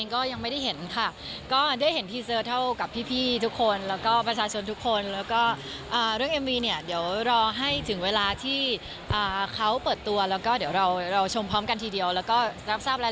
ขอข้ามเป็นเรื่องอื่นก่อนดีกว่าค่ะ